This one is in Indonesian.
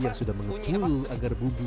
yang sudah mengekul agar bubu